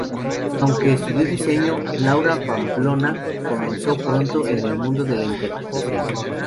Aunque estudió Diseño, Laura Pamplona comenzó pronto en el mundo de la interpretación.